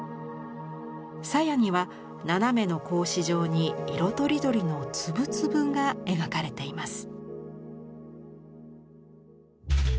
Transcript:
鞘には斜めの格子状に色とりどりの粒々が描かれています。